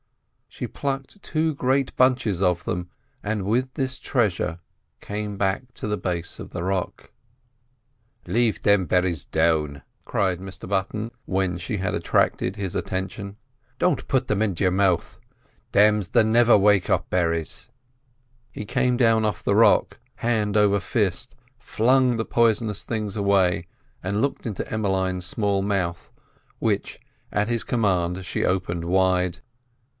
She plucked two great bunches of them, and with this treasure came to the base of the rock. "Lave thim berries down!" cried Mr Button, when she had attracted his attention. "Don't put thim in your mouth; thim's the never wake up berries." He came down off the rock, hand over fist, flung the poisonous things away, and looked into Emmeline's small mouth, which at his command she opened wide.